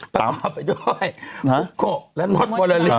ตามไปด้วย